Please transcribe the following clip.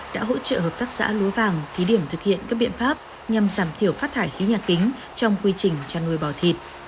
đã hỗ trợ hợp tác xã lúa vàng thí điểm thực hiện các biện pháp nhằm giảm thiểu phát thải khí nhà kính trong quy trình chăn nuôi bò thịt